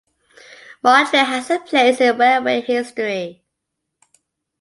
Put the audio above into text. Mochdre has a place in railway history.